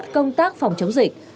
công tác phòng chống dịch